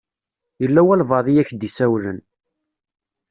Yella walebɛaḍ i ak-d-isawlen.